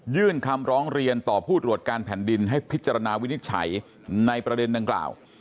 ยื่นคำร้องเรียนต่อผู้ตรวจการแผ่นดินให้พิจารณาวินิจฉัยในประเด็นดังกล่าว